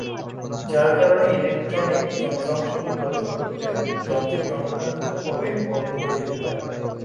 যার কারণে ইলেকট্রনিক যন্ত্রাংশগুলো রক্ষা করতে যন্ত্রটি অনাকাঙ্ক্ষিতভাবে বন্ধ হয়ে যেতে পারে।